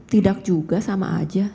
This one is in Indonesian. tidak juga sama aja